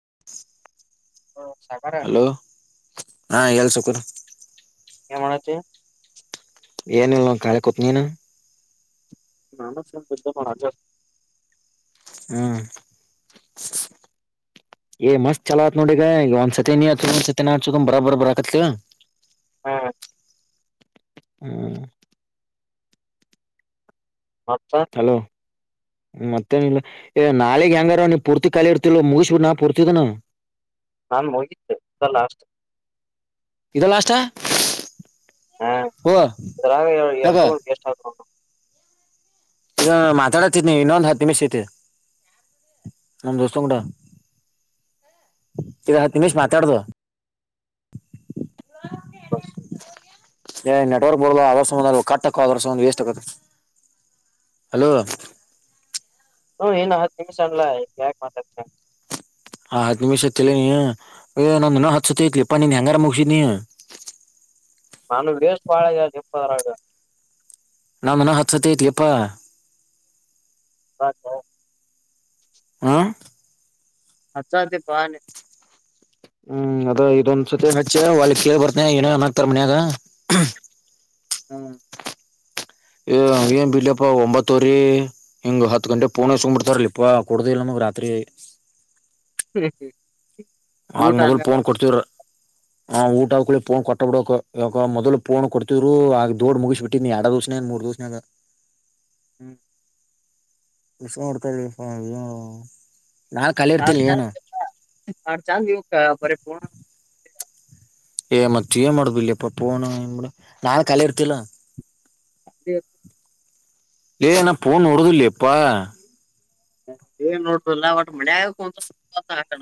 [inaudible] ಹ ಸಾಕಾರ ಹಲೋ ಹಾ ಎಲ್ ಸುಕುರ್ ಎ ಮಾಡತ್ತ ಏನ ಇಿಲ್ಲ ಕಾಲಿ ಕೂತ್ ನೀನು ನಾನ ಸ ಬೆ ಹಾಗ ಹ್ಮ್ ಏ ಮಸ್ತ್ ಚಲತ್ ನೋಡಿ ಈಗ ಈಗ ಒಂದ್ ಸತಿ ನೀ ಅತ್ ಒಂದ್ ಸತಿ ನಾಸಕಂಬ್ ಬರಾಬರ ಬರಾಕತ್ವ ಹಾ ಹ್ಮ ಮತ್ತ ಹಲೋ ಮತ್ತ ನಾಳಗ್ ಹೆಂಗಾರ ನೀ ಪೂರ್ತಿ ಕಾಲಿ ಇರ್ತಿಲ್ ಮುಗಿಸ್ಬಿಡ್ ನಾ ಪೂರ್ತಿದನ ನಾನ್ ಹೋಗಿದ್ದೆ ಅಲ್ಲ ಅಷ್ಟೆ ಕಲಸ್ಾ ಹ್ಮ ಇದರ ಯಾಕ ಎಷ್ಟ ವಸ್ ಆ ಈ ಮಾತಾಡತ್ತನಿ ಇನ್ನೊಂದು್ ಹತ್ತು ನಿಮಿಷ ತಿ ನಮ್ಮ ದಸ್ತ ಕಡ ತಿಿನಿಷ ಮಾತಾಡದು ಬಸ್ ಏ ನೆಟ್ವರ್ಕ್ ಬರ ಅವ್ರ ಕಕ ಅದರ ಒ ವೇಸ್ಟ್ ಆಗೆ ಹಲೋ ಹ ಹ ನಾ ಹತ್ತಿ ಚಾಣಲ ಮಾಡತ ಹಾ ಹದ್ ನಿಮಿಷ ಹತ್ತಲ ನೀ ನು ಹತ್ಸತ್ತ ಐತ್ಲಿಪ್ಪಾ ನೀನ್ ಹೆಂಗಾರ ಮುಗಸಿದ್ ನೀ ನಾನು ವೇಸ್ಟ್ ಬಾಳ ಯ ಚಪ್ಪದರಗ ನಾನ ಹತ್ಸತ್ತ ಐತಿಿಯಪ್ಪಾ ಹ ಹ ಹಾ ಹ ಸದೆ ಬನ್ ಹ್ಮ್ ಅದ ಇದೊಂದ್ಸತಿನ್ ಹಚ್ಚ ಒಲಿ ಕೇಳಳ್ ಬರ್ತನೆ ಏನನ ಆಕ್ತಾರ್ ಮನ್ಯಾಗ ಹ್ಮ್ ಏನ್ ಬಿಡ್ಲಿಪ್ಪಾ ಒಂಬತ್ತುವರಿ ಹಿಂಗ್ ಹತ್ತು ಗಂಟೆ ಪೂಣೆ ಸುಮ್ ಬಿಿಡ್ತಾರಲ್ಲಿ ಇಪ್ಪಾ ಕುಡುದ ಇಿಲ್ಲ ನ ಆದದರೆ [inaudible] [inaudible] ಹ ಆಗ ಮೊದಲ್ ಫೋನ್ ಕೊಡ್ತವ್ರ ಹಾ ಊಟ ಹಾಕೊಳ್ಳಿ ಫೋನ್ ಕೊಟ್ಟ ಬಿಡೋಕ್ ಯ ಮೊದ್ ಫೋನ್ ಕೊಡ್ತಿದ್ರು ಆಗ ದೋಡ್ ಮುಗ್ಬ ಬಿಟ್ಟಿದಿ ಎಡ ದ್ಸನೇ ಮೂೋಡುದು ಸಿ ಅ ಹ್ಮ ವಿಷ ಮಾಡಡ್ತಳ ಸಾ ಚಾರ್ ಸಾಡ್ ಚಾರ್ ದಿವಸ ಬರ ಪೂರ್ಣ ಏ ಮತ್ತ ಏನ್ ಮಾಡುದು ಇಲ್ಲಿಪ್ಪ ಪೋನು ಏನ್ ಮಾಡ ನಾನ್ ಕಲೆ ಇರ್ತಿಲ್ಲ ಅೇ ಲನ ಪನು ಉಡದಲ್ಲಪ್ಪಾ ಏನ್ ನೋಡ್ರಲ್ಲ ಒಟ್ ಮೆ ಆಗು ಅಂತ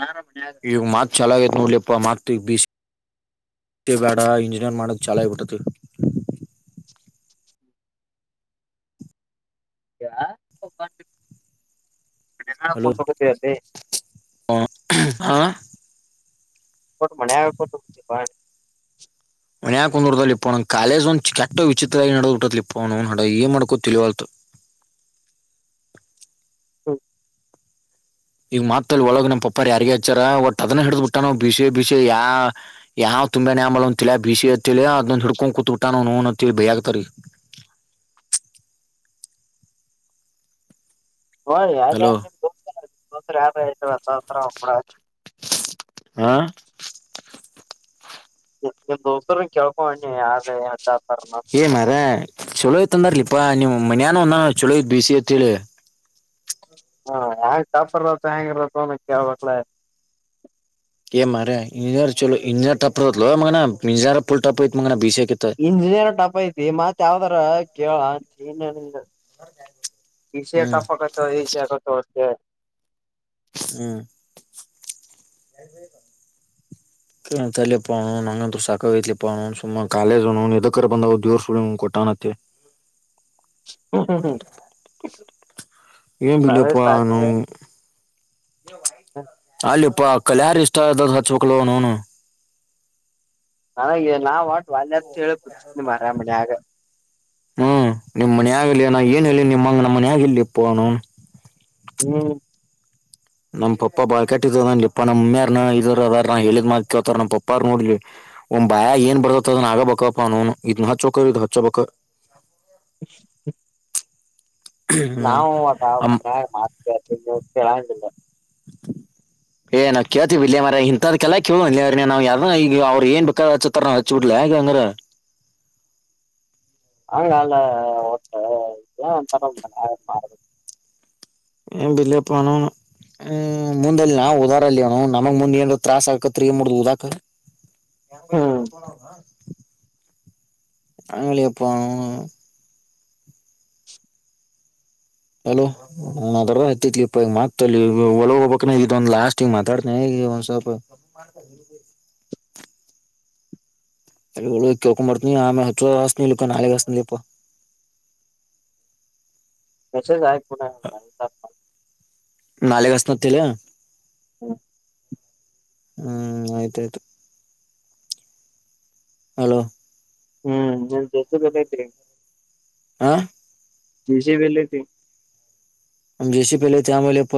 ಆರಾಮ ಈಗ ಮಾತ್ ಚಲ ಆೈತ್ ನೋಡ್ಲಿ ಅಪ್ಪ ಮತಿ ಬಿ ಸಿ ಬೇಡ ಇಂಜಿನಿಯರ್ ಮಾಡದು ಚಾಲ ಆಬಿಟ್ಟತಿ ಯ ಹಲೋ ತತರ ಹಾ ಟ ಮನೆ ಆ ಕೊಟ ಮನ್ಯಾಕಂದ್ಡತ ಇಪ್ಪವಣ್ಣ ಕೇ್ ಒಂದ ಚ ಕೆಟ್ಟ ವಿಚಿತ್ರವಾಗಿ ನಡೋಟ್ಟ ಇಪ್ಪವಣಡ ನ್ ಮಾಡ್ಕೋ ತಿಳವಲ್ು ಹೌ ಈಗ ಮಾತಲ್ಲಿ ಒಳಗ ನಮ್ಮ ಪಪ್ಪ ಯಾರಗ ಹಚ್ಚಾರ ಒಟ್ಟಟ್ ಅದನ್ನ ಹಿಡ್ದ ಬಿಿಟ್ಟ ನ ಬಿಸೆ ಬಿಸ ಯಾ ಯಾವ ತುಂಬೇ ಅಂಬಲಂತಾ ಬಿಸಿ ಅತ್ತ ಅದೊಂದ ಹಿಡ್ಕೊಂಡ ಕುೂತ್ ಊಟ ನೋ ಬೈಿ ಆಗ್ತರಿ ಒ ಹಲೋ ದಾವರ ಕೂಡ ಹ ನಿ್ ದೋಸ್ರ ಕೇಳ್ಕೊಣ್ಣಿ ಯ ಏ ಮಾರ ಚಲೋ ಯತ ಅಂದಾರಲಿಪಾ ನಿಮ್ಮ್ ಮನ್ಯಾನ ಒಂದ ಚಲೋ ಇ ಬಿಸಿ ತ್ ಹೇಳೇಳಿ ಹಾ ಹೆ್ಯಾಂಗ್ ಕಾಪರ್ತ್ ಹೆಂಗ ಇರತ್ ಒನ ಕಕ್ಲ ಮಾರ ಇಂಜಾರ ಚಲೋ ಇಂಜಾರಟಪಪ್ರುತ ಮ ಇಂಜಾರ ಪಫುಲ್ಟಪುಯಿತ ಮ ಭೀಷೆ ಇಂಜಿನಿಯರ್ ಟಪ್ ಐತಿತಿ ಮತ್ ಯಾವ್ದಾರ ಕೇಳ ಈಶೇ ಹ್ಮ್ ಫ್ ಆಗತ್ತ ಈಶೆ ಆಗತ್ತ ಅಷ್ಟೇ ಹ್ಮ ಪ್ಪ ನಂಗಂತ್ರ ಸ ಸಾಕಯ್ತಿಲಿಪ್ಪಣ ಸುಮ್ ಕಾಲೇಜು ಇದಕರ್ ಬಂದ ದವರ್ ಸು ಕೊಟ್ಟ ೆ ಹ್ಮ ಹ್ಮ್ ಹ್ಮ್ ಏನ್ ಬಿಳಿಯಪ್ಪ ಅವ್ನು ಅಲ್ಲಿಪ್ಪಾ ಕಲ್ಯಾರು ಇಷ್ಟ ಅ ಹಚ್ಕ್ಳ ನೂನು ನ ನಾವ್ ಆಟ್ ವಲ್ಯ ಅಂತ ಹೇಳಿ ಮ ಆರಾಮಿ ಆಗ ಹ್ಮ್ ನಿಮ್ಮ್ ಮನ್ ಯಾಗ ನ ಏನ್ ಹೇಳ ನಿಮ್ಮಂಗ ನಮ್ಮ ಮನ್ ಯಗ ಇಲ್ಲಿ ಫೋನು ಹ್ಮ್ ನಮ್ ಪಪ್ಪಾ ಬಾಳ್ ಕಟ್ಟಿದವದಲಿಪ್ಪ ನಮ್ಮ್ಯಾರ್ನ ಇದರು ಅದಾರ ನ ಹೇಳಿದ್ ಮಾಡ್ತಿತಾರ ನಮ್ಮ ಪಪ್ಪಾರ ನೋಡ್ಲಿ ಒಂದ್ ಭಯ ಏನ್ ಬರ್ದತ್ದನ್ ಆಗಬೇಕಪ್ಪ ನನು ಇದ್ನ ಹಚ್ೋಕ ಇದ್ ಹಚ್ೋಬೇಕಕ್ ಹ ಹ್ಮ್ ನಾವವು ಅವಟ ಅಮ್ ಮೊನ್ಯಾಗ ಮಾತಳ್ತೀ ನೀವು ಕೇಳಂಗಿಲ್ಲ ಏ ನಾವ್ ಕೇಳ್ತೀವಿ ಇಲ್ಲಯ ಮರ ಇಂತದ್ಲ್ಲ ಕೇಳ ನಾವ್ ಯಾರ ಈಗ ಅವ್ರ ಏನ್ ಬೇಕತಾರ ಹಚ್ ಬಿಡ್ಲ ಹ ಅಂಗಾರ ಹಂಗಾಲ ಟ್ಟ ನ್ ಒಂತರ ಮಾಡ ಏನ್ ಬಲೆಿಯಪ್ಪ ಅವ್ನು ಹ್ಮ್ ಮುಂದೆ ನಾ ಉದಾರ ಅಲ್ಲಿವನು ನಮಗ್ ಮುಂದ್ ಏನ್ ತತ್ರಾಸಸ್ ಆಾಕ ತಿರಿಗಿ ಮೂಡ್ದ ಉದಾಕ ಹ್ಮ್ ಯಂಗನ ಅಲೋ ಹದರ ಹತ್ತಿತ್ಲಿ ಇಪ್ಪ ಈ ಮಾತ್ತ ಒಳಗ ಹೋಗಬಕ್ಗ ಒಂದು ಲಾಸ್ಟ್ ಮಾತಾಡ್ತೇನೆ ಒನ್ಸಪ [unintelligible] ಅ ಹಳು ಕೆಕ ಮಾಡ್ತ ನೀ ಆಮೆ ಹತ್ತುಸನಕ ನಾಳೆಗೆಸನ ಅಪ್ಪ [unintelligible] ಹೆಸ ಆ ಪುನಃ ನಾಳಗೆಸನ ತಿಲ ಹ್ಮ ಹ್ಮ್ ಆಯ್ತಾಯ್ತು ಹಲೋ ಹ್ಮ್ ನನ್ ಜೋಸ ಬೈತ್ರಿ ಹಾ ವಿಜೇಯವೆಲ್ಲಾತಿ ನಮ ಜಸಿ ಪಲೆ ಆಮೇಲೆಪ್ಪ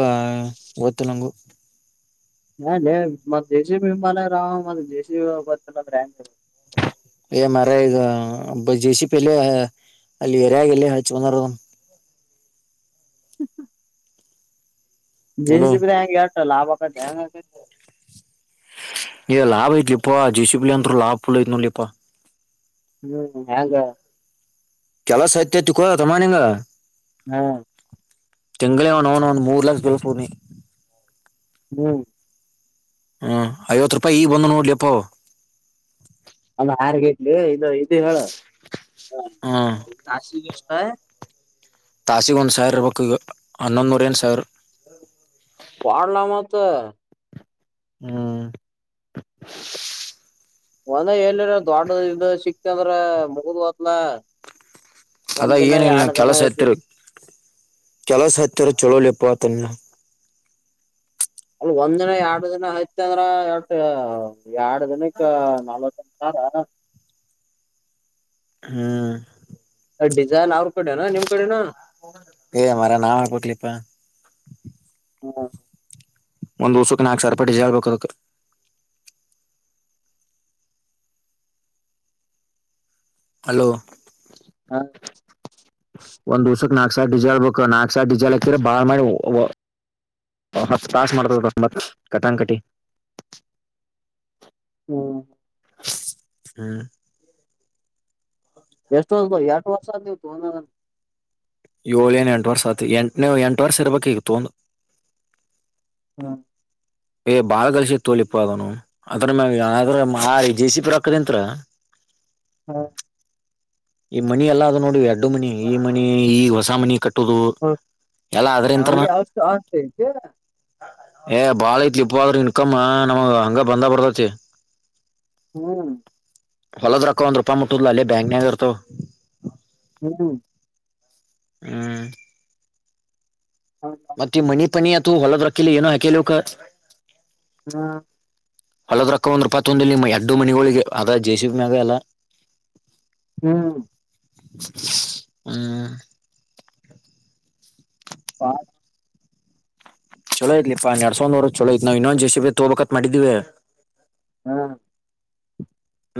ಓದತ್ತು ನಂಗು ಹಾ ಮ ಜಸಿ ಬಿಂಬಾಲೇ ರಾವ ಮ ಜಸಿ ಬತ್ತ ಬ್ರ್ಯಾಂಡ್ ಮರ ಇ ಒಬ್ಬ ಜೆ ಸಿ ಪಿಲ್ಲಿ ಅಲ್ಲಿ ಎರಾಗಲ್ಲಿ ಹಚ್ಚನಾರ [unintelligible] ಹಲೋ ಜನ್ಸ ಬಿಂಗಗೆ ಯಾರ ಲಾಭಾಗ ಈ ಲಾಭ ಐತಿಲಿಪ್ಪಾ ಡಿಸಿಪ್ಲಿನ್ ಅಂತೂ ಲಾಭ ಫುಲ್ ಐತ್ ನೋಡಲಿಪಾ ಹ್ಮ್ ಹ್ಯಾಂಗ ಕೆಲಸ ತಿತ್ತು ಕಡ ತಮಾನಿಂಗ ಹ ತಿಂಗಳಿನುನು ಒಂದ ಮೂರ್ ಲಕ್ಷ ದಳ ಪೂರ್ನಿ ಹ್ಮ್ ಹ್ಮ ಐವತ್ತು ರೂಪಾಯಿ ಈ ಬಂದು ನೋಡ್ಲಿಪ್ಪ ಅ ಆಾರ್ಗೇಟ್ಲಿ ಇದು ಇದು ಹೇಳ ಹ್ಮ್ ಹ ತಾಸಗ ಒಂದು ಸರ್ ಇವಕ್ಕೆ ಹನ್ನೊಂದು ನೂರ ಏನು ಸರ್ ಪಡಲಾಮತ್ತ ಹ್ಮ್ ಒಂದ ಹೇಳರ ದೊಡ್ ಇದ ಸಿಕ್ತಂದ್ರ ಮುಗದ್ ಹತ್ಲ ಅದಾ ಏನ ಇಲ್ ನ ಕೆಲಸ ಎತ್ತರ್ ಕೆಲ ಸಾಹಿತ್ಯರ ಚಳೋಲೆಪತನ್ನ ಅಲ್ ಒಂದ ದಿನ ಎರಡು ದಿನ ಆಯ್ತ್ ಅಂದ್ರ ಎ ಎರಡು ದಿನಕ್ಕೆ ನಲ್ತ್ ದಿನ ಹದಾ ಹ್ಮ್ ಡಿಸೈನ್ ಅವ್ರರು ಏ ಮರ ನಾಾವ ಹ ಕೊಟ್ಲಿಪ್ಪ ಹ್ಮ ಒಂದ್ ದಊಸಕ್ಕೆ ನಾಲ್ಕು ಸರ್ಪಟ್ಟಿ ಹೇಳ್ಬೇಕದಕ ಹಲೋ ಹ ಕ್ ನಾಕ್ಸಾ ಡಿಜಾಲ್ ಬಕ್ ನಾಗಕ್ಷಸಾರ್ ಡಜಾಲ್ ಹಾಕಿದ್ರ ಬಾಳ್ ಮಾಡಿ ತಾಸ್ ಮಾಡ್ತದ ಬ ಮತ್ ಕಟಾನ್ ಕಟಿ ಹ್ಮ ಹ್ಮ್ ಎಷ್ಟು ವರ್ಷ ಎರಷ್ಟ ವರ್ಷ ನೀು ಏಳ ನ್ ಎಂಟ ವರ್ತಿ ಎಂಟನೇ ಎಂಟ ವರ್ಷ ಇರ್ಬೇಕು ಈಗ ತೊಂದು ಹ್ಮ ಏ ಬಾಳ ಕಲ್ಸಿತ್ತು ತೋಲಿ ಇಪ್ಪ ಅದನು ಅದ್ರ್ರ ಜೆ ಸಿಪಿ ರಾಕ್ಕದಂತ್ರ ಹ್ಮ ಈ ಮನಿ ಎಲ್ಲ ಅದು ನೋಡಡಿ ಅಡ್ಡು ಮನಿ ಈ ಮನಿ ಈ ಹೊಸ ಮನಿ ಕಟ್ಟ ಹಟ್ಟುದು ಎಲ್ಲ ಅ್ರ ಇಂತ್ರನ ಹಂಗೆ ಅಷ್ಟು ಆಸ್ತಿ ಐತಿ ಏ ಬಾಳ ಐತ್ಲಿ ಇಪ್ಪ ಆದ್ರ ಇನ್ಕಮ್ ನಮಗ ಹಂಗ ಬಂದ ಬರ್ದತಿ ಹ್ಮ್ ಹೊಲದ್ರಕ್ಕ ಒಂದ್ೂಪಾಯಿ ಮುಟ್ಟುದ್ಲ ಅಲ್ಲೇ ಬ್ಯಾಂಕ್ನರ್ತ ಹ್ಮ್ ಹ್ಮ್ ಹ್ಮ ಮತ್ತ ಮನಿ ಪನಿ ಅತ ಹೊಲದ್ ರಕ್ಕಲಿ ಏನೋ ಹಾಕಲಿಕ್ಕ ಹಾ ಹಳದ ರೊಕ್ಕ ಒಂದ್ ರೂಪತ್ ಒಂದು ಎಡ್ಡು ಮನಗಳಿಗೆ ಅದ ಜೇಸಿ ಮ್ಯಾಗ ಎಲ್ಲ ಹ್ಮ್ ಹ್ಮ್ ಹ ಚಲೋ್ಲಿ ಇಪ್ಪಾ ಎಡ್ ಸೌ್ವರ್ ಚಲೋಯಐತ್ ನವು ಇನ್ನೊಂದು ಜಸಿ ಬ ತೋಬೇಕತ್ ಮಾಡಿದಿವವಿ ಹ್ಮ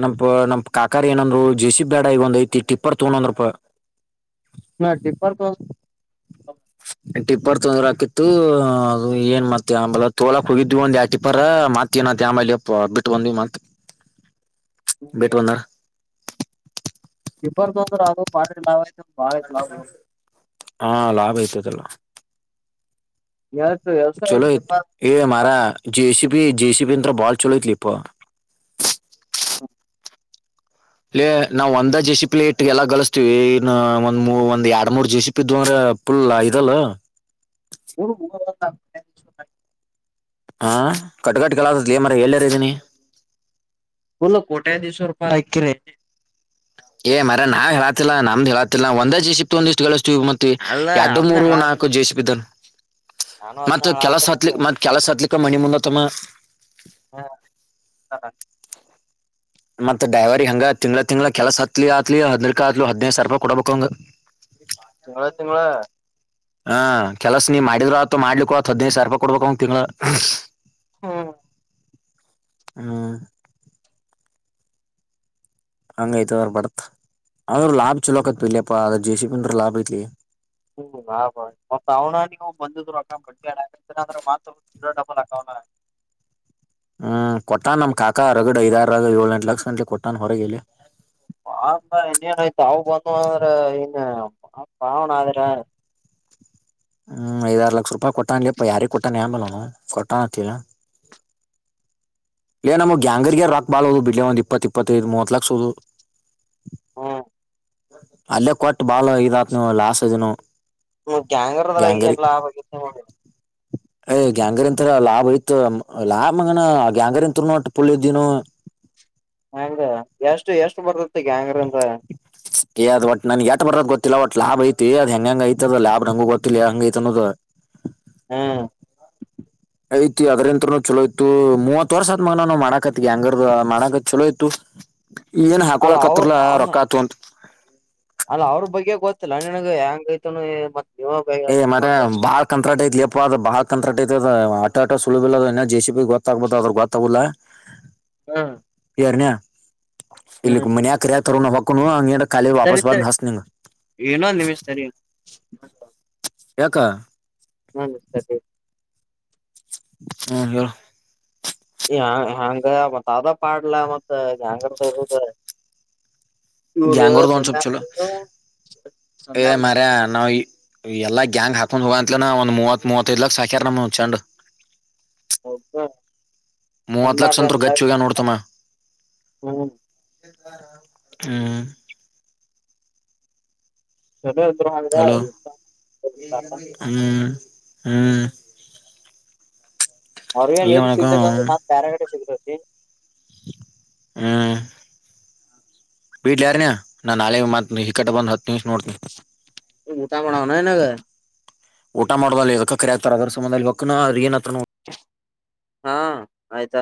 ನಮಪ ನಮ ಕಾಕರ್ ಏನಂದ್ರು ಜೆ ಸಿ ಬಿ ಬ್ಯಾಡ ಈಗ ಒಂದ ಐತಿ ಟಿಪ್ಪರ್ ತಗೊಂಡಂದ್ರಪ [unintelligible] ಟಿಪ್ಪರ್ [unintelligible] [unintelligible] ಟಿಪ್ಪರ್ ತೊಂದ್ರ ಹಾಕಿತ್ತು ಅದು ಏನ್ ಮತ್ತೆ ಆಂಬಲ ತಗೋಲಕ್ಕೆ ಹೋಗಿದ್ವಿ ಒಂದು ಟಿಪ್ಪರ್ ಮತ್ತನ ಮತ್ತೆ ಆಮೇಲೆಪ್ಪ ಬಿಟ್ ಬಂದ್ವಿ ಮತ್ತೆ ಹ ಬಿಟ್ ಬಂದ ಟಿಪ್ಪರ್ ತಗೊಂಡು [unintelligible] ಹಾ ಲಾಭ ಆಯ್ತಾದಲ್ಲ ಎಷ್ಟು ಎಷ್ಟ ಚಲೋ ಇತ್ತು ಐತಿಪ್ಪ ಜೆಸಿಪಿ ಜೆಸಿಪಿ [unintelligible] ರಂದ್ರ ಬಾಲ್ ಚಲೋ ಐತಿ ಯಪ್ಪ ಲೆ ನಾವ್ ಒಂದ ಜೆ ಸಿ ಪಿ ಲೇಟ್ ಎಲ್ಲ ಗಳಿಸಸ್ತೀವಿ ಇನ್ನು ಒಂದ್ ಒಂದ್ ಎರಡ್ ಮೂರ್ ಜೆ ಸಿಪ ಇದ ಅಂದ್ರ ಪುಲ್ಲ ಆಯದಲ್ಲ [unintelligible] ಹಾ ಕಟ್ಕಟ್ ಕೆಳತ್ ಮರ ಹೇಳಾರ ಇದ್ದೀನಿ ಫುಲ್ಲು ಕೋಟ್ಯಾದಿಶ್ವರ ರೂಪಾಯ ಐ ಕಿರಿ ಏ ಮರ ನಾವ್ ಹೇಳಾತಿಲ್ಲ ನಮ್ದು ಹೇಳಾತಿಲ್ಲ ಒಂದ ದ ಜೆಸಿಪಿ ಇಷ್ಟು [unintelligible] ಮತ್ತೆ ಅಲ್ಲ ಎರಡು ಅದ್ನ ಮೂರು ನಾಲ್ಕು ಹೇಳಾತನ ಜೆಸಿಬಿ ದ ನಾನು ಅದ್ನ ಮತ್ತ ಕೆಲಸ ಹತ್ಲಿ ಹೇಳಾತನ ಮತ್ ಕೆಲಸ ಹತ್ಲಿಕ್ಕ ಮಣಿ ಮುಂದತ್ತಮ್ಮ ಹಾ ಹಾ ಮತ್ತ ಡೈವರಿ ಹಂಗ ತಿಂಗ್ಳ ತಿಂಗ್ಳ ಕೆಲಸ ಹತ್ಲಿ ಆತ್ಲಿ ಹದಿನಕ ಆತ್ ಹದಿನೈದು ಸಾವಿರ ರೂಪಾಯಿ ಕೊಡಬೇಕ್ ಅವಂಗ ತಿಂಗಳ ತಿಂಗಳ ಹಾ ಕೆಲಸ ನೀ ಮಾಡಿದ್ರು ಆತ ಮಾಡ್ಲಿಕ್ಕ ಆತ್ ಹದಿನೈದು ಸಾವಿರ ರೂಪಾಯಿ ಕೊಡ್ಬೇಕ್ ಅವಂಗ ತಿಂಗಳ ಹಾ ಹಂಗೈತ ಅವ್ರ ಬದಕ್ ಅವ್ರು ಲಾಭ ಚಲೋಕತ್ ಇಲ್ಲಿಪ್ಪಾ ಅದ್ರ ಜೆ ಸಿ ಬಿ ಅಂದ್ರ ಲಾಭ ಐತಿ ಲೆ ಹ್ಮ್ ಮತ್ತೆ ಅವನ ಬಂದಿದ್ರು ಅಕ್ಕ ಬಟ್ಟಿ ಆತ ಅಕು ಡಬಲ್ ಹಾಕಲ್ಲ [unintelligible] ಹ್ಮ್ ಕೊಟ್ಟಾನ ನಮ್ ಕಾಕಾ ಹೊರಗಡೆ ಐದಾರ ರ ಏಳ್ ಎಂಟು ಲಕ್ಷ ಕೊಟ್ಟಾನ ಹೊರಗೆಲ್ಲಿ ಬಾ ಇನ್ನೇನ್ ಆಯ್ತ ಅ ಬತ ಅಂದ್ರ ಇನ್ ಪಾವಣ ಆದ್ರ ಹ್ಮ್ ಐದಾರು ಲಕ್ಷ ರೂಪಾಯಿ ಕೊಟ್ಟನ್ಲಿಪ್ಪ ಯಾರಿ ಕೊಟ್ಟಾನ ಹೆಂಬಲ್ಲ ಕೊಟ್ಟಾನತ್ತಿಲ್ಲ ಹೇ ನಮ್ಮ ಗ್ಯಾಂಗರ್ಗ ರಾಕ್ ಬಾಳದು ಬಿಡ್ಲೆ ಒಂದ್ ಇಪ್ಪತ್ತ ಇಪ್ಪತ್ತೈದು ಮೂವತ್ ಲಕ್ಷ ಹೌದು ಹ್ಮ ಅಲ್ಲೇ ಕೊಟ್ಟ ಬಾಳ ಇದಾತ್ ನೀವು ಲಾಸ್ ಹ್ಮ ಗ್ಯಾಂಗರ್ ಅದ್ರ ಗ್ಯಾಂಗರಿ ಐಗನ್ ಲಾ [unintelligible] ಏ ಗ್ಯಾಂಗರಿಂತರ ಲಾಭ ಇಯ್ತ ಲಾಭ ಮಗನ ಗ್ಯಾಂಗರಿ [unintelligible] ಪುಳ್ಳಿಿದ್ದಿನು ಹಂಗ ಎಷ್ಟು ಎಷ್ಟು ಬರ್ತತಿಗ ಗ್ಯಾಂಗರ್ ಇಂದ ಯ ಒಟ್ ನನ್ಗೆ ಎಟ ಬರದ ಗೊತ್ತಿಲ್ಲ ಒಟ್ ಲಾಬ್ ಐತಿ ಹೆಂಗ ಹೆಂಗ ಐತೋ ಲಾಭ ಹಂಗ ಗೊತ್ತಿಲ್ಲಲ್ಲ ಹಂಗ ಐತ ಅನ್ನೋದು ಹ್ಮ ಐತಿ ಅದ್ರಂತ್ರನು ಚಲೋಯತ್ತು ಮೂವತ್ ವರ್ಷ ಆದದ ಮನ ಮಾಡಕತ್ ಗ್ಯಾಂಗರ್ ಮಾಡಕತ್ ಚಲೋ ಇತ್ತು ಏನ್ ಅಲ್ಲ ಅವ್ರ ಹಾಕೊಳಕತ್ತರ್ಲ್ಲಾ ಅಲ್ಲ ರೊಕ್ಕಾ ಹತಂತ ಅಲ್ಲ ಅವ್ರ ಬಗ್ಗೆ ಗೊತ್ತಿಲ್ಲ ನನಗೆ ಹೆಂಗೈತ ಏ ಮರ ಬಹಳ ಕಂತ್ರಾಟ ಐ ಯಪ್ಪ ಅದು ಬಹಳ ಕಂತ್ರಾಟ ಐತ ಆಟೋ ಆಟೋ ಸಲಭ ಇಲ್ಲ ಜೆಸಿಬಿ ಗೊತ್ತಾಗಬೋದು ಅದ್ರ ಗೊತ್ತಾಗಿಲ್ಲ ಹ್ಮ್ ಯಾರ್ನ್ಯ ಹ್ಮ್ ಇಲ್ಲಿಕ್ಕೆ ಮನೆಯಕ ಕರಿಯತರೋ ಅಕ್ಕ ನು ಕಾಲೀ ಸರಿ ವಾಪಸ ಬ ಸರಿ ಹಸ ನಿನು ಇನ್ನೊಂದ್ ನಿಮಿಷ ಸರಿ ಇನ್ನೊಂದ್ ಯಕಾ [unintelligible] ಹ್ಮ ಹೇಳ ಹ್ಯಾಂಗ ಮತ್ತ ಅದ ಮಡ್ಲ ಮತ್ತ ಗ್ಯಾಂಗರ್ [unintelligible] ಗ್ಯಾಂಗರ್ ತನ್ ಸಪ ಚಲ ಏ ಸಮ್ಯಾರ್ ಮಾರ ನ ಎಲ್ಲಾ ಗ್ಯಾಂಗ್ ಹಾಕೊಂಡ್ ಹೋಗ ಅಂತಲನ ಒಂದ್ ಮೂವತ್ವತ್ೈದ್ಲಕ್ ಸಾಕ್ಯಾರ್ ನಮ್ ಹ ಚಂಡ್ ಮೂವತ್ ಲಕ್ಷ ಸಮ್ಯಾರ್ ಸತ್ರರು ಗಚ್ಚುಗ ನೋಡ್ತಮ್ಮ ಹ್ಮ್ ಹ್ಮ್ ಚಲೋ ಇದ್ರು ಹಂಗ ಹಲೋ ಹ್ಮ್ ಹ್ಮ್ ಅವ್ರಗ ಏನ್ ನೀರು ಮಾಡಕ ಸಿಗ್ಲ್ರ ನಾ ಪ್ಯಾರಗಡೆ ಸಿಗ್ರರಿ ಹ ಬಿಡ್ ಯಾರ ನಾ ನಳೆ ಮ ಈ ಕಟ್ಟ ಬಂದ ಹತ್ತ ಮಊಟಾಾಮಣಾವನ ನಗ ಊಟ ಮಾಡದಲ್ಲ ಇದದಕ್ಕೆ ಕರೆ ಆಗ್ತಾರೆ ಅದ್ರ ಸಮಬಧದಲ್ಲಿಲ್ಕ್್ರ ಏನತ್ರ ಹಾ ಆಯ್ತಾ